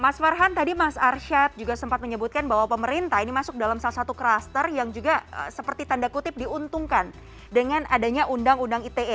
mas farhan tadi mas arsyad juga sempat menyebutkan bahwa pemerintah ini masuk dalam salah satu kluster yang juga seperti tanda kutip diuntungkan dengan adanya undang undang ite